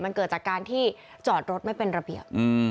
มันเกิดจากการที่จอดรถไม่เป็นระเบียบ